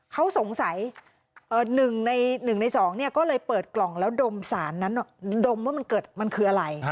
เขาสงสัย๑ใน๑ใน๒ก็เลยเปิดกล่องแล้วดมสารนั้นดมว่ามันคืออะไร